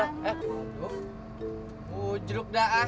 aduh jeruk dah ah